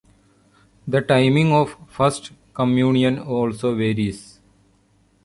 The timing of First Communion also varies.